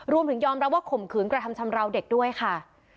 รวมถึงยอมรับว่าข่มขืนกระทำชำราวเด็กด้วยค่ะ